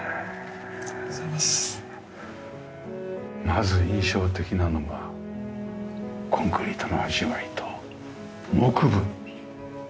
まず印象的なのがコンクリートの味わいと木部。